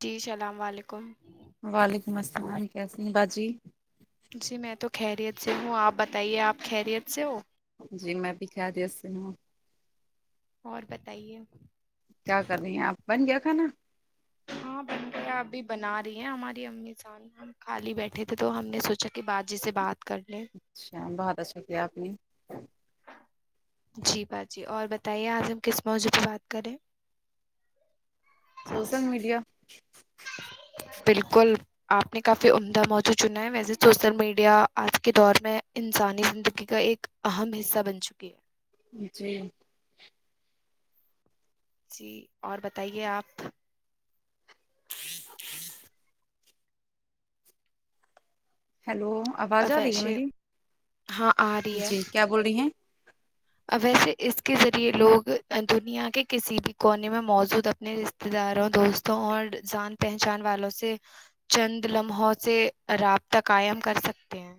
جی اسلام علیکم وعلیکم السلام کیسی ہیں باجی جی میں تو خیریت سے ہوں آپ بتائیے آپ خیریت سے ہو جی میں بھی خیریت سے ہوں اور بتائیے کیا کر رہی ہیں آپ بن گیا کھانا ہاں بن گیا ابھی بنا رہی ہیں ہماری امی سان ہم خالی بیٹھے تھے تو ہم نے سوچا کہ باجی سے بات کر لیں اچھا بھوت اچھا کیا آپ نے جی باجی اور بتائیے آج ہم کس موضوع پہ بات کر رہے سوشل میڈیا بالکل آپ نے کافی عمدہ موضوع چنا ہے ویسے سوشل میڈیا آج کے دور میں انسانی زندگی کا ایک اہم حصہ بن چکی ہے جی جی اور بتائیے آپ ہیلو آواز آ رہی ہے ویسے میری ہاں آ رہی ہے جی کیا بول رہی ہیں ویسے اس کے ذریعے لوگ دنیا کے کسی بھی کونے میں موجود اپنے رشتے داروں دوستوں اور جان پہچان والوں سے چند لمحوں سے رابطہ قائم کر سکتے ہیں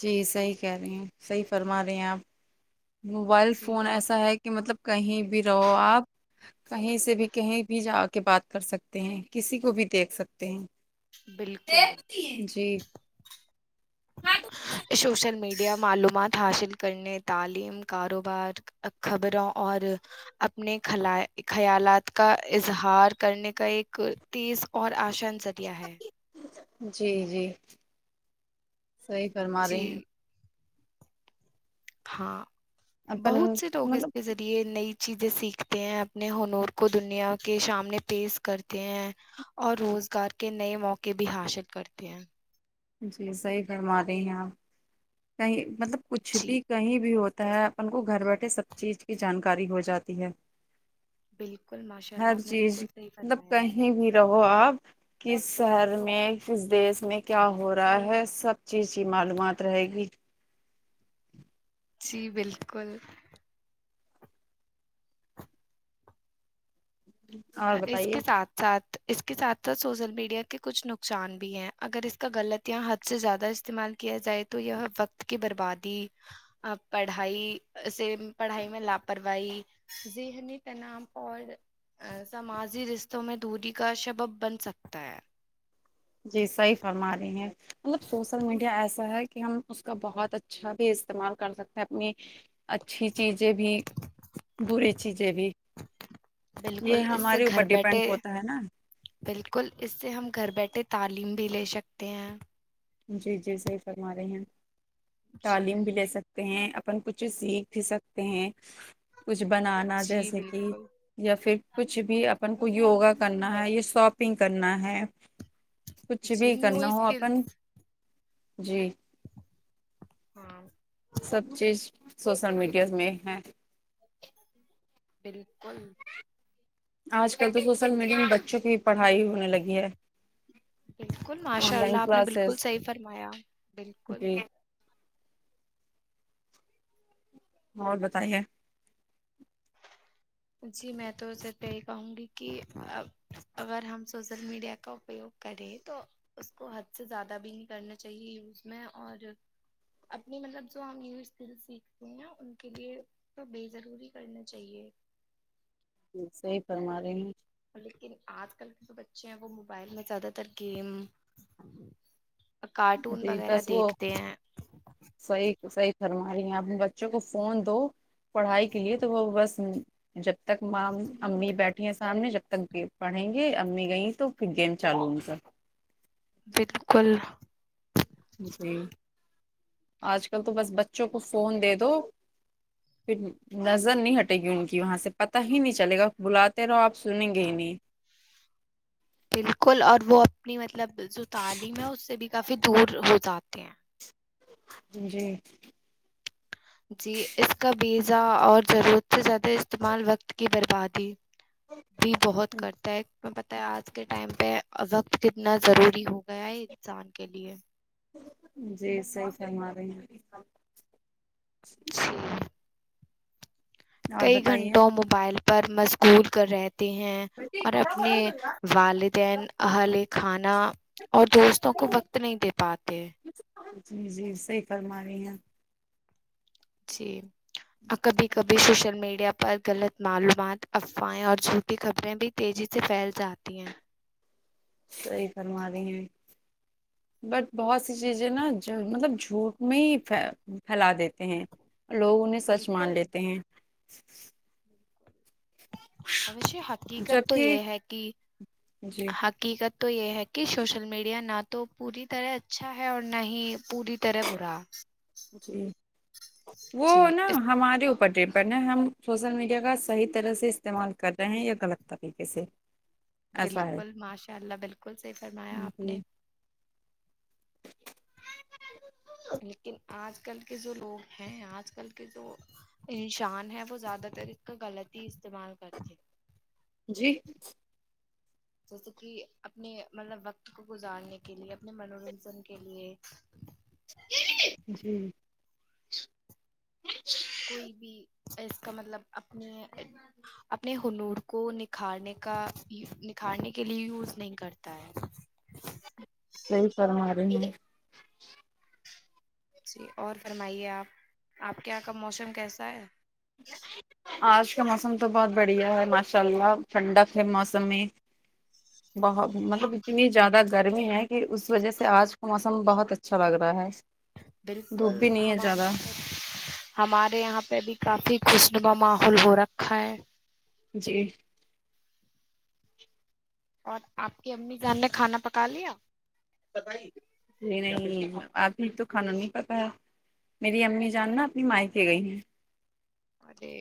جی صحیح کہہ رہی ہیں صحیح فرما رہی ہیں آپ موبائل جی فون اور ایسا ہے کہ مطلب کہیں بھی رہو آپ کہیں سے بھی کہیں بھی جا کے بات کر سکتے ہیں کسی کو بھی دیکھ سکتے ہیں بالکل جی سوشل میڈیا معلومات حاصل کرنے تعلیم کاروبار خبروں اور اپنے خلایا خیالات کا اظہار کرنے کا ایک تیز اور آشن س کیا ہے جی جی صحی فرما رہے جی ہیں ہاں اپن بہت سے لوگ اس مطلب کے ذریعے نئی چیزیں سیکھتے ہیں اپنے ہنور کو دنیا کے سامنے پیش کرتے ہیں اور روزگار کے نئے موقعے بھی حاصل کرتے ہیں جی صحیح فرما رہے ہیں آپ کہیں مطلب کچھ جی بھی کہیں بھی ہوتا ہے ان کو گھر بیٹھے سب چیز کی جانکاری ہو جاتی ہے بالکل ماشاء اللہ ہر آپ نے چیز بالکل صحیح مطلب فرمایا کہیں بھی رہو آپ کس شہر میں کس دیش میں کیا ہو رہا ہے سب چیز کی معلومات رہے گی جی بالکل اور اس بتائیے کے ساتھ ساتھ اس کے ساتھ ساتھ شوشل میڈیا کے کچھ نقصان بھی ہیں اگر اس کا غلط یا حد سے زیادہ استعمال کیا جائے تو یہ وقت کی بربادی پڑھائی سے پڑھائی میں لاپرواہی جی ہنی کا نام اور سماجی رشتوں میں دوری کا سبب بن سکتا ہے جی صحیح فرما رہی ہیں مطلب شوشل میڈیا ایسا ہے کہ ہم اس کا بہت اچھا بھی استعمال کر سکتے ہیں اپنی اچھی چیزیں بھی بری چیزیں بھی یہ بالکل اس سے ہمارے اوپر گھر ڈیپینڈ بیٹھے ہوتا ہے نا بالکل اس سے ہم گھر بیٹھے تعلیم بھی لے سکتے ہیں جی جی صحیح فرما رہے ہیں جی تعلیم بھی لے سک ستے ہیں اپن کچھ سیکھ بھی سکتے ہیں کچھ بنانا جی جیسے کہ بالکل یا پھر کچھ بھی اپن کو یوگا کرنا ہے یا شاپنگ کرنا ہے کچھ جی بھی نیو کرنا ہو اپن اسکلس جی ہاں سب چیز شوشل میڈیا میں ہے بالکل آج کل تو شوشل میڈیا بچوں کی پڑھائی ہونے لگی ہے بالکل آن ماشاء اللہ لائن آپ نے بالکل کلاسز صحیح فرمایا بالکل جی اور بتائیے جی میں تو صرف یہ ہی کہوں گی کہ اگر ہم شوشل میڈیا کا اپوگ کرے تو اس کو حد سے زیادہ بھی نہیں کرنا چاہیے یوز میں اور اپنی مطلب جو ہم یو اس کل سیکھتے ہیں نا ان کے لیے تو بے ضروری کرنا چاہیے صحیح فرما رہی ہیں لیکن آج کل کے جو بچے ہیں وہ موبائل میں زیادہ تر گیم کارٹون جی وغیرہ بس وہ دیکھتے ہیں صحیح صحیح فرم رہ ہیں اپنے بچوں کو فون دو پڑھائی کے لیے تو وہ بس جب تک ماں امی بیٹھی ہیں سامنے جب تک پڑھیں گے امی گئیں تو پھر گیم چالو ان کا بالکل جی آج کل تو بس بچوں کو فون دے دو پھر نظر نہیں ہٹے گی ان کی وہاں سے پتہ ہی نہیں چلے گا بلاتے رہو آپ سنیں گے ہی نہیں بالکل اور وہ اپنی مطلب جو تعلیم ہے اس سے بھی کافی دور ہو جاتے ہیں جی جی اس کا ویزا اور ضرورت سے زیادہ استعمال وقت کی بربادی بھی بہت کرتا ہے میں بتایا آج کے ٹائم پہ وقت کتنا ضروری ہو گیا ہے انسان کے لیے جی صحیح فرما رہی ہیں جی اور کئی بتائیے گھنٹوں موبائل پر مشغول کر رہتے ہیں اور اپنے والدین اہالہ خانہ اور دوستوں کو وقت نہیں دے پاتے جی جی صحیح فرما رہی ہیں جی کبھی کبھی سوشل میڈیا پر غلط معلومات افواہیں اور جھوٹی خبریں بھی تیزی سے پھیل جاتی ہیں صحیح فرما رہے ہیں بٹ بہت سی چیزیں نا مطلب جھوٹ میں ہی پھیلا دیتے ہیں لوگ انہیں سچ مان بالکل لیتے ہیں اش حقیقت تو جبکہ یہ ہے کہ جی حقیقت تو یہ ہے کہ سوشل میڈیا نہ تو پوری طرح اچھا ہے اور نہ ہی پوری تر بورا جی وہ جی نا ہمارے اوپر ڈ پنے ہم شوشل میڈیا کا صحیح طرح سے استعمال کر رہے ہیں یا غلط طریقے سے ایسا ہے بالکل ماشاء اللہ بالکل صحیح فرمایا جی آپ نے لیکن آج کل کے جو لوگ ہیں آج کل کے جو انشان ہے وہ زیادہ تر اس کا غلط ہی استعمال کرتے جی جیسے کہ اپنے مطلب وقت کو گزارنے کے لیے اپنے منورنجن کے لیے [inaudible] کوئی بھی اس کا مطلب اپنے اپنے ہنور کو نکھارنے کا نکھارنے کے لیے یوز نہیں کرتا ہے صحیح فرما رہی ہیں جی اور فرمائیے آپ آپ کے یہاں کا موسم کیسا ہے [inaudible] آج کا موسم تو بہت بڑھیا ہے ماشاء اللہ ٹھنڈک ہے موسم میں بہت مطلب اتنی زیادہ گرمی ہے کہ اس وجہ سے آج کا موسم بہت اچھا لگ رہا ہے دھوپ بالکل بھی نہیں ہے ہمار زیادہ ہمارے یہاں پہ بھی کافی خوشنما ماحول ہو رکھا ہے جی اور آپ کی امی جان نے کھانا پکا لیا نہیں نہیں نہیں آبھی تو کھانا نہیں پکایا میری امی جان نا ابھی مائکے گئی ہیں ارے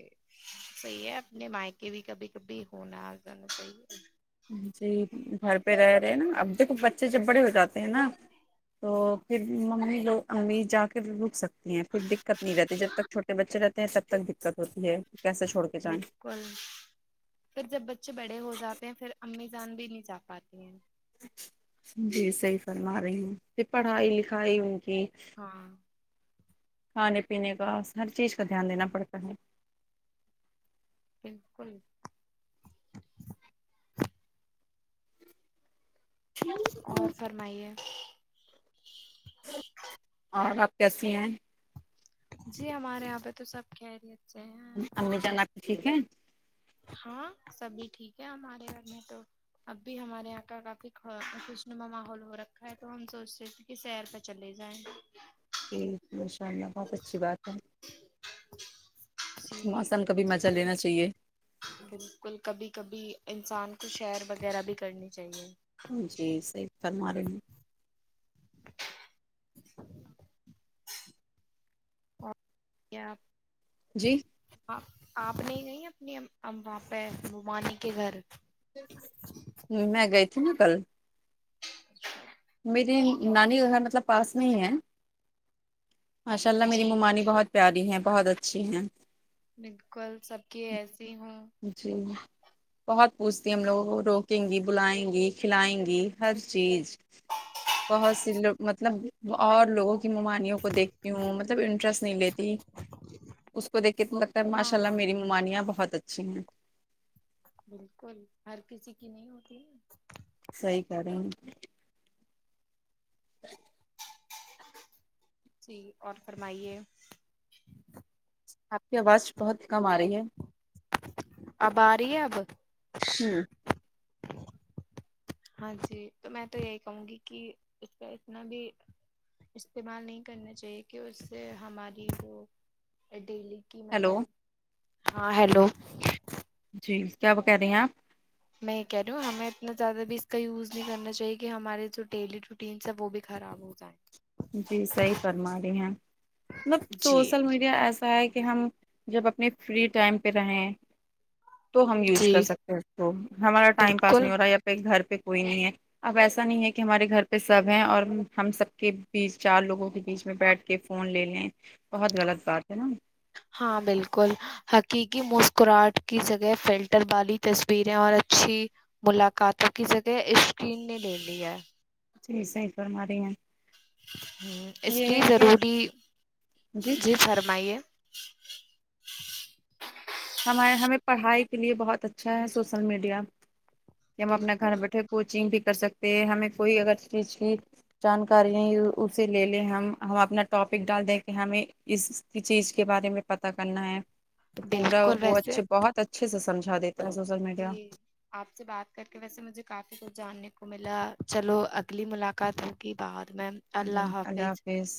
صحیح ہے اپنے مائی کے بھی کبھی کبھی ہونا آ جانا صحیح ہے جی گھر پہ رہ رہے ہیں نا اب دیکھو بچے جب بڑے ہو جاتے ہیں نا تو پھر ممی لو امی جا کے رک سکتی ہیں کچھ دقت نہیں رہتی جب تک چھٹے بچے رہتے ہیں تب تک دقت ہوتی ہے کیسے چھوڑ کے جائیں بالکل پھر جب بچے بڑے ہو جاتے ہیں پھر امی جان بھی نہیں جا پاتی ہیں جی صحی فرما رہی ہوں کہ پڑھائی لکھائی ہو گی ہاں کھانے پینے کا ہر چیز کا دھیان دینا پڑتا ہے بالکل ہے اور فرمائیے اور آپ کیسی ہیں جی ہمارے یہاں پہ تو سب کھیریت اچھے ہیں امی جان بس آپ کی ٹھیک ہیں ہاں سبھی ٹھیک ہے ہمارے گھر میں تو اب بھی ہمارے یہاں کا کافی خوش نما ماحول ہو رکھا ہے تو ہم سوچتے تھ پھر سیر پر چلے جائیں جی ماشاء اللہ بہت اچھی بات ہے [inaudible] جی موسم کا بھی مجاہ لینا چاہیے بالکل کبھی کبھی انسان کو شیر وغیرہ بھی کرنی چاہیے جی صحیح فرما رہی ہوں اور کیا آپ جی آپ آپ نہیں گئی اپنی اا پہ مومانی کے گھر میں گئی تھی نا کل میری نانی کا گھر مطلب پاس نہیں ہے ماشاء اللہ میری جی مومانی بہت پیاری ہے بہت اچھی ہیں بالکل سب کی ایسی ہوں جی بہت پوچھتی ہم لوگوں کو روکیں گی بلائیں گی کھلائیں گی ہر چیز بہت سی لوگ مطلب اور لوگوں کی مما نیوں کو دیکھتی ہوں مطلب انٹرسٹ نہیں لیتی اس کو دیکھ کے لگتا ہے ہاں ماشاء اللہ ہاں میری ممانیا ں بہت اچھی ہیں بالکل ہر کسی کی نہیں ہوتی صحیح کھ رہی ہیں جی اور فرمائیے آپ کی آواز بہت کم آ رہی ہے اب آ رہی ہے اب ہمم ہاں جی تو میں تو یہی کہوں گی کہ اس کا اتنا بھی استعمال نہیں کرنا چاہیے کہ اس سے ہماری جو ڈیلی ہیلو مطلب ہاں ہیلو جی کیا وہ کھ رہی ہیں آپ میں یہ کھ رہی ہوں ہمیں اتنا زیادہ بھی اس کا یوز نہیں کرنا چاہیے کہ ہمارے جو ڈیلی رو ٹینس ہے وہ بھی خراب ہو جائیں جی صحی فرما رہی ہیں مطلب جی شوشل میڈیا ایسا ہے کہ ہم جب اپنے فری ٹائم پہ رہے تو ہم یوز کر جی سکتے ہیں اس کو ہمارا ٹائم پاس نہیں بالکل ہو رہا ہے گھر پہ کوئی نہیں ہے اب ایسا نہیں ہے کہ ہمارے گھر پہ سب ہے اور ہم سب کے بیچ چار لوگوں کے بیچ میں بیٹھ کے فون لے لیں بہت غلط بات ہے نا ہاں بالکل حقیقی مسکراہٹ کی جگہ فلٹر والی تصویریں اور اچھی ملاقاتوں کی جگہ اسکرین نے لے لیا ہے جی صحیح فرما رہی ہے اس یہ لیے کہ ضروری جی فرمائیے ہمارے ہمیں پڑھائی کے لیے بہت اچھا ہے سوسل میڈیا کی ہم اپنا گھر بالکل بیٹھے کوچنگ بھی کر سکتے ہیں ہمیں کوئی اگر چیز کی جانکارییا اسے لے لیں ہم ہم اپنا ٹاپک ڈال دیں کہ ہمیں اس کی چیز کے بارے میں پتہ کرنا ہے تو پورا بالکل وہ ویسے اچھے بہت اچھے سے سمجھا دیتا ہے سوشل میڈیا جی آپ سے بات کر کے ویسے مجھے کافی کچھ جاننے کو ملا چلو اگلی ملاقات ہوگی بعد میں جی اللہ حافظ